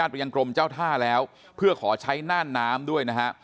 ไปยังกรมเจ้าท่าแล้วเพื่อขอใช้น่านน้ำด้วยนะฮะ